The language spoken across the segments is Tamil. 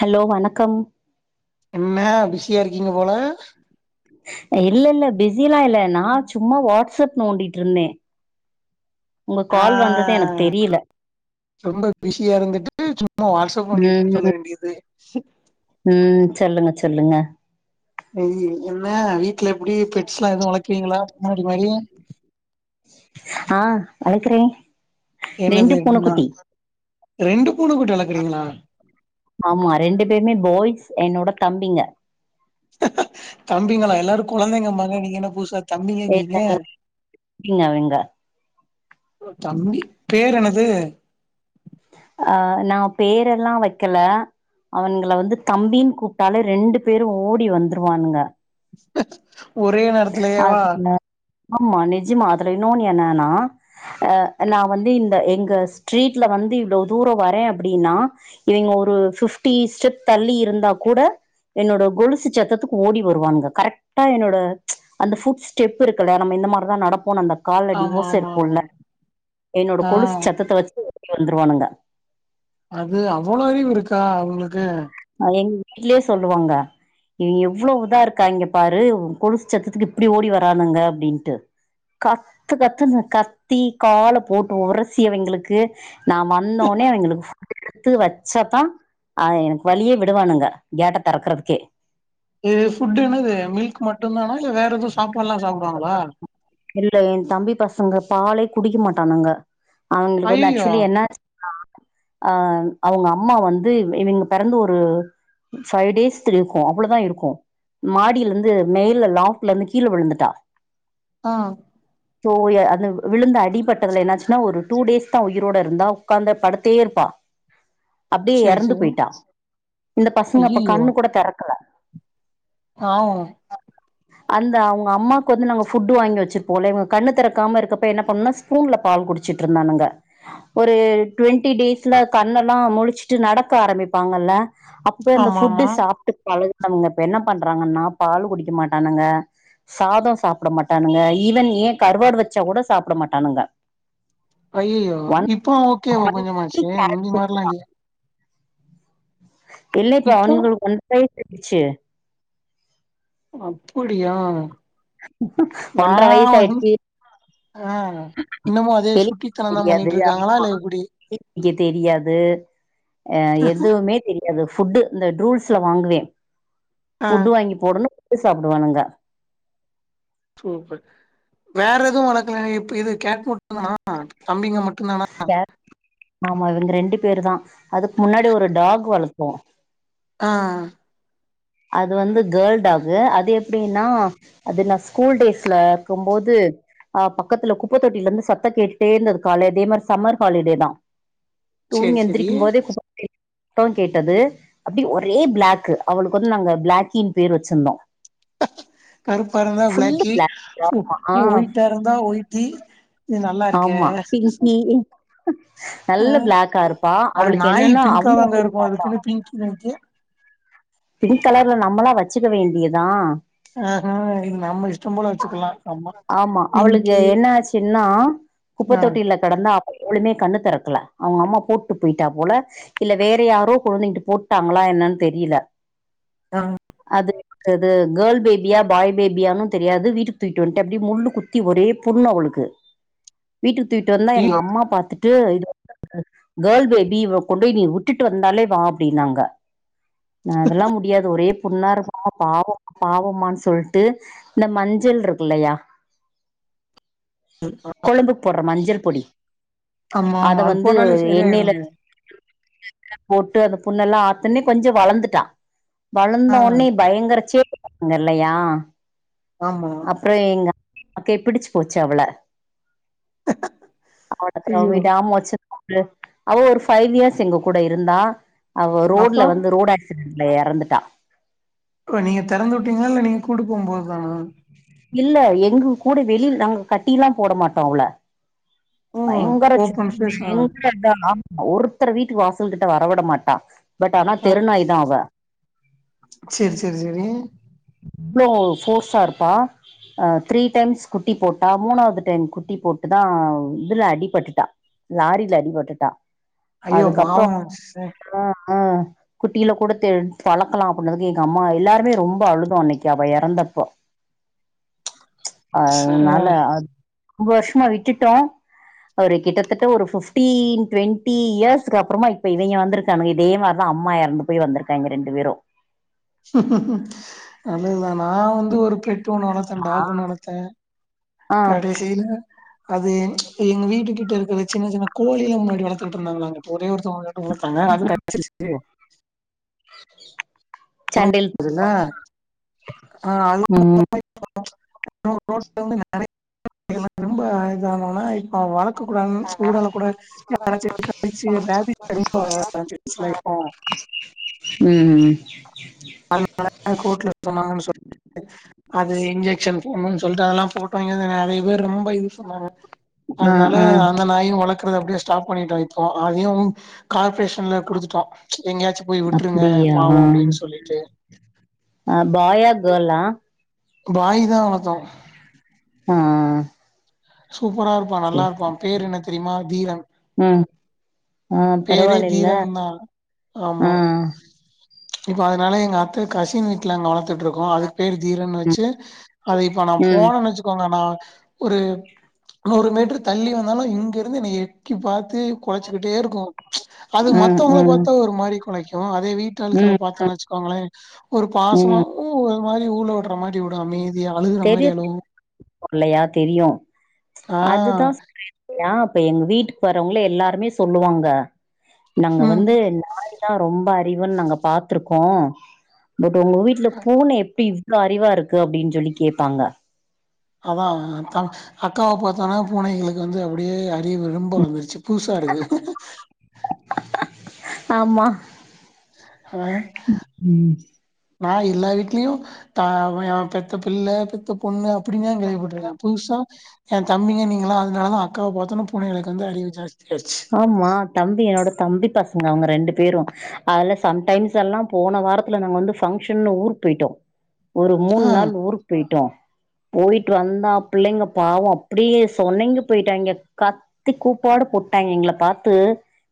ஹலோ வணக்கம் என்ன பிஸியா இருக்கீங்க போல இல்ல இல்ல பிஸில்லா இல்ல நான் சும்மா வாட்ஸ்அப் நோண்டிட்டு இருந்தே ஆ எனக்கு தெரியல ரொம்ப பிஸியா இருந்துட்டு சும்மா வாட்ஸ்அப் ம் நோண்டிட்டுன் சொல்ல ம் வேண்டியது ம் சொல்லுங்க சொல்லுங்க ஐ என்ன வீட்ல எப்படி பெட்ஸ்லா எதுவு வளக்குறீங்களா பூனக்ட்டி மாரி ஆ வளக்குறே என்னது ரெண்ட்னா ரெண்டு பூனை குட்டி வளக்குறீங்களா ஆமா ரெண்டு பேருமே பாய்ஸ் என்னோட தம்பிங்க தம்பிங்களா எல்லாரு குழந்தைங்கம்பாங்க நீங்க என்ன புதுசா தம்பிகங்கீங்க தம்பிங்க அவங்க தம்பி பேர் என்னது அ நா பேரெல்லா வெக்கல அவனுங்கள வந்து தம்பீன் கூப்ட்டாலே ரெண்டு பேரு ஓடி வந்துருவானுங்க [inaudible] நேரத்திலேயேவா அத் [unintelligible] ஆமா நிஜமா அதுல இன்னோன்னு என்னனா அ நா வந்து இந்த எங்க ஸ்ட்ரீட்ல வந்து இவ்ளோ தூரோ வரே அப்படீனா இவய்ங்க ஒரு ஃபிஃப்டி ஸ்டெப் தள்ளி இருந்தா கூட என்னோட கொலுசு சத்தத்துக் ஓடி வருவான்ங்க கரெக்டா என்னோட அந்த ஃபுட் ஸ்டெப் இருக்குல்ல நம்ம இந்த மாரிதா நடப்போன் அந்த காலடி ஆமா ஓச ஆமா ஆமா இருக்குல என்னோட ஆ கொலுசு சத்தத்த வெச்சு ஓடி வந்துருவானுங்க அது அவ்வளோ அறிவு இருக்கா அவுங்ளுக்கு அ எங் வீட்லே சொல்லுவாங்க எவ்வுளோ இதா இருக்காய்ங்க பாரு உ கொலுசு சத்தத்துக்கு இப்டி ஓடி வரானுங்க அப்டின்ட்டு கத்து கத்துனு கத்தி கால போட்டு ஒரசி அவய்ங்களுக்கு நா வந்தோனே அவிங்களுக்கு ஃபுட்டு எடுத்து வச்சத்தா அ என வழியே விடுவானுங்க கேட்ட தறக்கறதுக்கே இது ஃபுட்டுன்னா இது மில்க் மட்டுந் தானா இல்ல வேற எது சாப்பாட்லா சாப்டுவாங்ளா இல்ல ஏ தம்பி பசங்க பாலே குடிக்க மாட்டானுங்க அவுங்களுக்கு வந்து ஐயோ ஆக்சுவலி என்ன அ அவுங்க அம்மா வந்து இவிங்க பெறந்து ஒரு ஃபை டேஸ் இருக்கு அவ்வளோதா இருக்கு மாடிலிந்து மேல லாஃப்லந்து கீழ விழுந்துட்டா ஆ சோ ய அந்த விழுந்த அடிபட்டதுல என்னாச்சுன்னா ஒரு டூ டேஸ் தா உயிரோட இருந்தா உக்காந்த படு த்தேயிருப்பா அப்டியே சரி எறந்து சரி போயிட்டா இந்த பசங்க அப்ப ஐய்யய்யோ கண்ணு கூட தெறக்கல பாவோ அந்த அவுங்க அம்மாக்கு வந்து நாங்க ஃபுட்டு வாங்கி வெச்சிரும்போல இவங்க கண்ணு தெறக்காம இருக்கப்ப என்ன பண்ணுணா ஸ்பூன்ல பால் குடிச்சிட்டுருந்தானுங்க ஒரு ட்வெண் டி டேஸ்ல கண்ணெல்லா முழிச்சிட்டு நடக்க ஆரம்பிப்பாங்கல்ல அப்ப இந்த ஃபுட்டு ஆமாமா சாப் ட்டு பழகுனவங்க இப்ப என்ன பண்றாங்கன்னா பாலு குடிக்க மாட்டானுங்க சாதோ சாப்பிட மாட்டானுங்க ஈவன் ஏ கறுவாடு வெச்சா கூட சாப்பிட மாட்டானுங்க அய்யிய்யோ ஒன் இப்ப ஓகேவா கொஞ்சமாச்சு வீக் முந்தி மார்லா இல்லியே இல்ல இப்ப இப்போ அவனுங்களுக்கு ஒன்ற வயசு ஆய்டுச்சு அப்புடியா நா ஒன்ற வந்து வய்சாயிடுச்சு ஆ இன்னமு அதே சுட்டித்தனந்தா தெரியாது பண்ணிட்ருக்காங்களா இல்ல எப்படி [unintelligible] தெரியாது அ எதுவுமே தெரி அது ஃபுட்டு் இந்த ரடூல்ஸ்ல வாங்குவே ஆ ஃபுட்டு் வாங்கி போடனு புட்ட சாப்பிடுவானுங்க சூப்பர் வேற எதுவுவளர்க்கல இப்ப இது கேக மட்டு தானா தம்பிங்க மட்டு தானா ஆ ஆமா இவங்க ரெண்டு பேரு தா அதுக்கு முன்னாடி ஒரு டாக் வளர்த்தோ ஆ அது வந்து கேர்ள்டாகு அது எப்படின்னா அது நா ஸ்கூல் டேஸ்ல இருக்குபோது ஆ பக்கத்து குப்பத்த தொட்டில இருந்து சத்தத்தை கேட்டுட்டே இருந்தது கால அதே மாரி சம்மர் ஹாலிடே தா சேரி தூங்க சேரி எந்திரிக்கு போதே கேட்டது அப்படி ஒரே பிளாக் அவளுக்கு ந்து நாங்க பிளாக்கின் பேர் வச்சிருந்தோ கருப்பா இருந்தா ஃபுல்லு பிளாக்கி பிளாக் ஆ ஒயிட்டா இருந்தா ஒயிட்டி இது நல்லா இருக்க ஆமா பிங்கி அ நல்ல பிளாக்கா இருப்பா அது அவளுக்கு நாய் என்னன்னா பிங்க்கா அவங்க தாங்க இருக்கு அதுக்குன்னு பிங்க்கி நினைக்கு பிங்க் கலர்ல நம்மளா வச்சுக்க வேண்டியதா ஆஹா இது நம்ம இஷ்டம் போல வச்சுக்கலா ஆமா அவளுக்கு பிங்கி என்ன ஆச்சுன்னா ஆ குப்பைத் தொட்டில கடந்தா எவ்வளுவுமே கண்ணு திறக்கல அவங்க அம்மா போட்டு போயிட்டா போல இல்ல வேற யாரோ குழந்தைங்கிட்டு போட்டுட்டாங்களா என்னன்னு தெரியல ஆ அது து கேர்ள் பேபியா பாய் பேபியானனு தெரியாது வீட்டுக்கு தூயிட்டு வந்துட்டுள அப்படி முள்ளு குத்தி ஒரே புண்ணு அவளுக்கு [inaudible] வீட்டு தூட்யிடுந்த எங்க ஐயோ அம்மா பாத்துட்டு இது கேர்ள் பேபி கொண்டு போய் நீ விட்டுட்டு வந்தாலே வா அப்டின்னாங்க நா அதெல்லா முடியாது ஒரே புண்ணா இருக்கு ஆ பாவம் பாவமான்னு சொல்லிட்டு இந்த மஞ்சள் இருக்கு இல்லைய கொழம்பு போடுற மஞ்சள் பொடி ஆமா ஆமா அத அது வந்து போட்டாலே எண்ணெயில சரியாயிடுமே போட்டு அந்த புண்ணெல்லா ஆத்தனே கொஞ்சோ வளர்ந்துட்டா ஆ வளர்ந்த உடனே பயங்கர சேட்ட பண்ணுவா இல்லையா ஆமா அப்புற எங்க அ அமாக்க பிடிச்சு போச்சு அவள அடத்த ஐயோ விடாம வச்சு அவ ஒரு ஃபைவ் இயர்ஸ் எங்க கூட இருந்தா அவ ரோட்ல அப்றோ வந்து ரோட அ இல்ல இறந்துட்டா ஓ நீங்க திறந்து வுட்டேங்கள நீங்க கூடா போகு போது தா இல்ல எங்க கூட வெளிய நாங்க கட்டி எல்லா போட மாட்டோ அவள ஓ பயங்கர ஓப்பன் சுட்டி ஸ்பேஸ் ஆ பயங்கரா [unintelligible] ஒருத்தர் வீட்டுக்கு வாசல்கிட்ட வரவிட மாட்டா பட் ஆனா ஆ தெருநாய்தாஅவ சேரி சேரி சேரி இவ்ளோ ஃபோர்ஸ்டா இருப்பா அ த்ரீ டைம்ஸ் குட்டி போட்டா மூணாவது டைம் குட்டி போட்டுதா இதுல அடிபட்டுட்டா லாரில அடிபட்டுட்டா ஐயோ அதுக்கப்புறோ பாவோ ச ஆ குட்டில கூட தெ வளர்க்கலா அப்டின்றதுக்கு எங்க அம்மா எல்லாருமே ரொம்ப அழுதோ அன்னைக்கு அவ இறந்தப்ப ச அதனால அது ரொம்ப வருஷமா விட்டுட்டோ அவ கிட்டத்தட்ட ஒரு பிப்டீன் டுவெண்டி இயர்ஸ்கு அப்புறமா இப்பன் இவங்க வந்துரு இதே மாரிதா அம்மா இறந்து போய் வந்திருக்காங்க ரெண்டு பேரு நல்லதுதா நா வந்து ஒரு பெட் பெட் ஓன்னு வளந்தே ஆ கடசில அது ச் எங்க வீட்டு கிட்ட இருக்கிற சின்ன சின்ன கோழிலா முன்னாடி வளத்துட்டு இருந்தாங்களாங்க ஒரே ஒருத்தங்க [unintelligible] [inaudible] சண்டைல் ம் [unintelligible] [unintelligible] [unintelligible] ம் ம் [unintelligible] அது இன்ஜெக்ஷன் போண்ணுனு சொல்ட்டு அதெல்லா போட்டோவங்க நெறைய பேர் ரொம்ப யூஸ் பண்ணாங்க ஆ அதுனால ஆ அந்த நாயு வளக்கறது அப்டியே ஸ்டாப் பண்ணிட்டோ இப்ப அதையு கார்ப்ரேஷன்ல குடுத்துட்டோ எங்கேயாச்சு போய் விட்டுருங்க பாவோ அப்டியா அப்புடினு சொல்லி ஆ பாயா கேர்ளா பாய் தா வளத்தோ ம் ம் ம் சூப்பரா இருப்பான் நல்லா இருப்பான் பேரு என்ன தெரிமா தீரன் ம் ஆ பேரே பரவாயில்ல தீரன் தா ஆ ஆமா இப்ப அதுனால எங்க அத்த கசின் வீட்ல அங்க வளத்துட்டுருக்கோ அதுக்கு பேர் தீரன்னு ம் வெச்சு அது இப்ப நா ம் போனன்னு வெச்சுக்கோங்க நா ஒரு நூறு மீட்டர் தள்ளி வந்தாலு இங்க இருந்து என்னை எக்கி பார்த்து கொலைச்சுக்கிட்டே இருக்கு ச் அது ம் மத்தவங்கள ம் பாத்தா ஒரு மாரி கொலைக்கு அதே வீட்டு ஆள்கள ம் பாத்தோணு வெச்சுக்கோங்களே ஒரு பாசமா ம் ஊ ஒரு மாரி ஊல வுடுற மாரி வுடு அமைதி ஆ [unintelligible] யா இப்ப எங்க வீட்டுக்கு வர்ரவங்களே எல்லாருமே சொல்லுவாங்க நாங்க ம் வந்து நாய் ட்டா ரொம்ப அறிவுன்னு நாங்க பாத்துருக்கோ பட் உங்க வீட்ல பூன எப்டி இவ்ளோ அறிவா இருக்கு அப்டின்னு சொல்லி கேட்பாங்க அதா ஆ அக்காவ பாத்தோனா பூனைகளுக்கு வந்து அப்டியே அறிவு வந்து ரொம்ப வந்துருச்சு புதுசா இருக்கு ஆமா ஆஹ ம் நாய் எல்லா வீட்லயு நா பெத்த பிள்ள பெத்த பொண்ணு அப்டின்னு தா கேள்விப்பட்டிருக்கே புதுசா ஏன் தம்பிங்க நீங்கெல்லா அதுனால தான் அக்காவ பாத்தோனா புனைகளுக்கு வந்து அறிவு ஆயிடுச்சு ஆமா தம்பி என்னோட தம்பி பசங்க அவங்க ரெண்டு பேரு அதுல சம்டைம்ஸ் எல்லா போன வாரத்துல நாங்க வந்து பங்க்ஷன்னு ஊருக்கு போயிட்டோ ஒரு மூணு ஆ நாள் ஊருக்கு போயிட்டோ போயிட்டு வந்தா புள்ளைங்க பாவோ அப்டியே சொனைங்கீ போயிட்டாங்க கத் கத்தி கூப்பாடு போட்டாங்க எங்கள பாத்து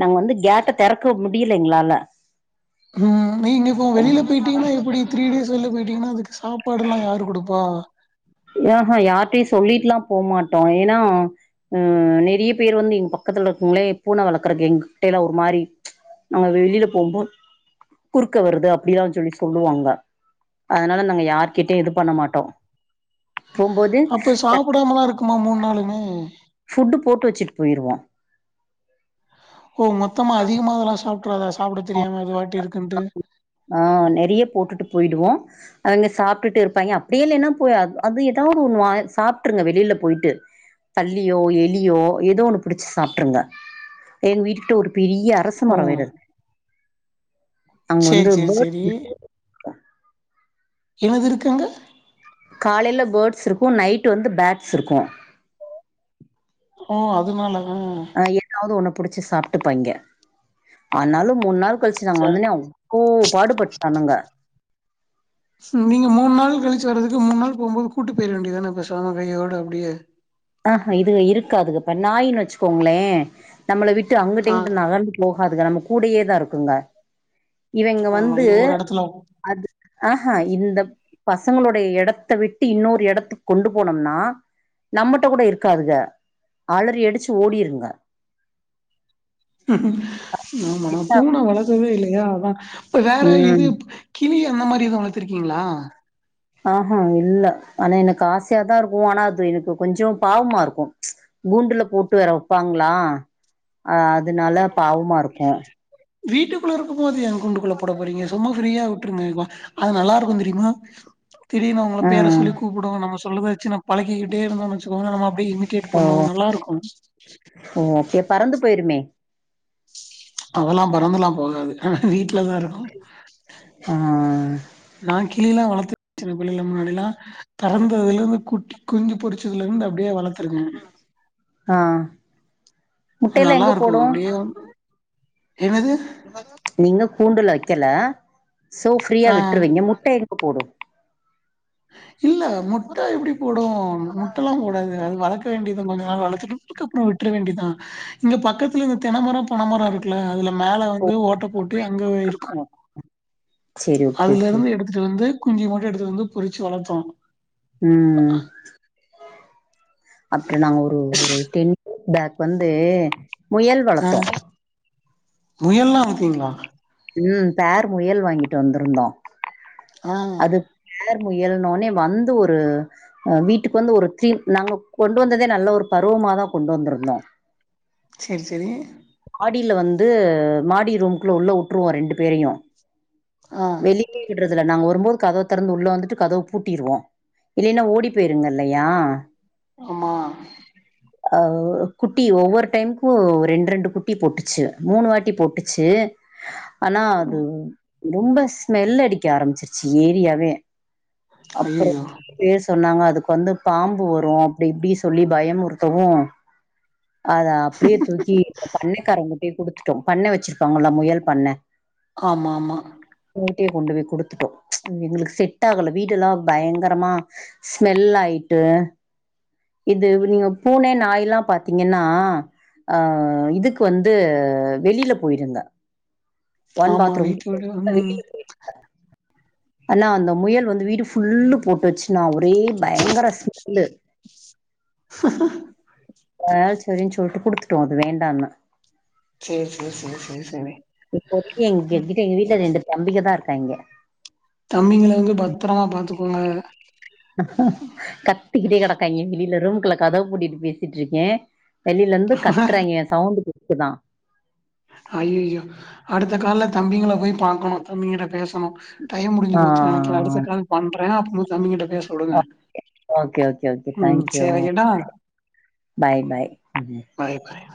நாங்க வந்து கேட்ட தெறக்க முடில எங்களால ம் நீங்க இப்போ வெளில போயிட்டீங்கனா எப்டி த்ரீ டேஸ் வெள்ல போய்ட்டீங்கனா அதுக் சாப்பாடெல்லா யாரு குடுப்பா ம்ஹ யார்டயு சொல்லிட்டுல்லா போமாட்டோ ஏனா ம்ஹ் நெறைய பேர் வந்து எங் பக்கத்துல இருக்கவங்களே பூன வளக்குற கேங்கு எங்க கிட்டைல ஒரு மாரி நாங்க வெளில போம்போது குறுக்க வருது அப்டிலா சொல்லி சொல்லுவாங்க அதனால நாங்க யார்கிட்டயு இது பண்ண மாட்டோ போம்போது அப்ப சாப்படாமலா இருக்குமா மூணு நாளுமே ஃபுட்டு போட்டு வெச்சுட்டு போயிருவோ ஓ மொத்தமா அதிகமா இதல்லாம் சாப்ட்றாத சாப்புட தெரியாம இது பாட்டு இருக்குன்ட்டு ஆ நெறைய போட்டுட்டு போயிடுவோம் அவைங்க சாப்பிட்டுட்டு இருப்பாங்க அப்டியே இல்லன்னா போய் அது ஏதாவது ஒன்னு வ சாப்ட்டுருங்க வெளில போயிட்டு பல்லியோ எலியோ ஏதோ ஒண்ணு புடிச்சு சாப்ட்டுருங்க எங்க வீட்டு கிட்ட ஒரு பெரிய அரச ஓ மரம் வேற இருக்கு அங்க வந்து சேரி சேரி பட்ஸ் சேரி யாரு இருக்காங்க காலைல பர்ட்ஸ் இருக்கு நைட்டு வந்து பேட்ஸ் இருக்கும் ஓ அதனால ந ஏதாவது ஒன்ன புடிச்சி சாப்ட்டுபாங்க ஆனாலும் மூண் நாள் கழிச்சு நாங்க சார் வந்தோன்ன ஒ பாடுபட்டுச்சு ஜனங்க நீங்க மூணு நாள் கழிச்சி வரதுக்கு மூணு நாள் போபோது கூட்டு போயிட வேண்டியதானே பேசாம கையோட அப்டியே ஆ இது இருக்காதுக இப்ப நாயின்னு வச்சுக்கோங்களே நம்மள விட்டு ஆ அங்கிட்டுஇங்குட்டு நகந்து போகாதுங்க நம்ம கூடேயேதா இருக்குங்க இவங்க ஆமா வந்து இது ஒரு எடத்துல அது ஆ ஆ இந்த பசங்களுடைய எடத்த விட்டு இன்னொரு இடத்துக்கு கொண்டு போனோனா நம்மட்ட கூட இருக்காதுங்க அலறி அடிச்சு ஓடிருங்க ஆமா விட்டா பூன வளத்ததே இல்லங்க அதா இப்ப வேற ம் இது கிளி அந்த மாரி எது வளத்துக்கீங்களா ஆஹான் இல்ல ஆனா எனக்கு ஆசயாதா இருக்கு ஆனா அது எனக்கு கொஞ்ச பாவமா இருக்கு கூண்டுல போட்டு வேற வப்பாங்களா அதனால பாவமா இருக்கு வீட்டுக்குள்ள இருக்கும் போது எ குண்டுக்குள்ள போட போறீங்க சும்மா ஃப்ரீயா விட்ருங்க ப அது நல்லா இருக்கும் தெரியுமா திடீர்னு உங்கள பேர ம் சொல்லி கூப்புடு நம்ம சொல்லத வச்சு ந பழிக்கிட்டே இருந்தோ வச்சுக்கோங்க நம்ம அப்டி இமிடெட் ஓ பண்ணும் நல்லா இருக்கும் ஓ அப்படியா பறந்து போயிருமே அதல்லாம் பறந்துெலாம் போகது வீட்டுலதா இருக்கு ஆ நா கிளிலா வளத்துச்ருவே சின்ன பிள்ளைல முன்னாடிலா பெறந்ததுல இருந்து குட்டி குஞ்சு பொறிச்சதுல இருந்து அப்டியே வளத் ஆ அது முட்டைலா நல்லா எங்க இருக்கு போடு அப்டியே என்னது நீங்க கூண்டுல வக்கல சோ ஃப்ரீயா ஆ விட்டுருவீங்க முட்ட எங்க போடு இல்ல முட் முட்ட எப்டி போடு முட்டல்லா போடது அது வளக்க வேண்டியது கொஞ்ச நாள் வளத்துட்டுதுக்கப்புற வி ட்ற வேண்டிதா இங்க பக்கத்தல இந்த தெனமர பனமரம் இருக்கு துல அதுல மேல வந்து ஓட்ட போட்டு அங்க இருக்குமோ சேரி ஓகே அதுல ஓகே இருந்து எடுத்துட்டுந்து குஞ்சு மட்டு எடுத்துட்டு வந்து பொறிச்சு வளத்தோ ம் அப்புற நாங்க ஒரு ஒரு டென் பேக் வந்து முயல் ஆ வளத்தோ முயல்லா வப்பிங்களா ம் பேர் முயல் வாங்கிட்டு வந்துருந்தோ ஆ அது பேர் முயலன்னவோன்ன வந்து ஒரு அ வீட்டுக்கு வந்து ஒரு த்ரீ நாங்க கொண்டு வந்ததே நல்ல ஒரு பருவமாதா கொண்டு வந்துருந்தோ செரி செரி மாடில வந்து மாடி ரூம்க்குள்ள உள்ள உட்டுருவோ ரெண்டு பேரயு ஆ வெளிகே விட்றதுல்ல நாங்க ஒர் டும்போது கதவத் தெறந்து உள்ள வந்துட்டு கதவு பூட்டிருவோ இல்லேனா ஓடிப் போயிருங்க இல்லையா அம்மா அ குட்டி ஒவ்வொரு டைம்க்கு ரெண் ரெண்டு குட்டி போட்டுச்சு மூனு வாட்டி போட்டுச்சு ஆனா அது ரொம்ப ஸ்மெல்லடிக்க ஆரம்பிச்சிருச்சு ஏரியாவே அப்றோ ஐயயோ பேர் சொன்னாங்க அதுக்கு வந்து பாம்பு வரு அப்டி இப்டி சொல்லி பயமுறுத்தவு அத அப்டியேத் தூக்கி பண்ணக்காரங்கிட்டியேக் குடுத்துட்டோ பண்ணே வெச்சிருப்பாங்கல்லா முயல் பண்ணே ஆமா மா வூங்கிட்டியேக் கொண்டு போய் குடுத்துட்டோ எங்களுக்கு செட்டாகல வீடெல்லா பயங்கரமா ஸ்மெல்லாயிட்டு இது நீங்க பூன நாய்லா பாத்தீங்கன்னா அ இதுக்கு வந்து வெளிலப் போயிருங்க ஒன் ஆமா பாத்ரூம் வீட்டோட ம் வெளியில ஆனா அந்த முயல் வந்து வீடு ஃபுல்லு போட்டு வெச்சுன்னா ஒரே பயங்கர ஸ்மெல்லு வே செரின் சொல்ட்டு குடுத்துட்டோ அது வேண்டான்னு சேர் சேர் சேர் சேர் செரி இப்போதக்கி எங் எங்கிட்ட எங்க வீட்ல ரெண்டுத் தம்பிகதா இருக்காய்ங்க தம்பிங்கள வந்து பத்தரமா பாத்துகோங்க கத்திகிட்டே கெடக்காய்ங்க வெளில ரூம்குள்ள கதவுப் பூட்டிட்டு பேசிட்ருக்கே வெளிலேந்து கத்தறாய்ங்க சவுண்ட்டு கேக்குதா ஐயிய்யோ அடுத்த கால்ல தம்பிங்களப்போய் பாக்கணு தம்பிங்கிட்ட பேசணு டைம் முடிஞ்சி ஆ போச்சு நெனைக்கே அடுத்த கால்ப் பண்றே அப்பம்மோது தம்பிங்கிட்ட பேச் ஓகே ஓகே ஓகே ஓகே ம் தேங்க்யூ சேரி வைக்கட்டா பாய் பாய் பாய் பாய்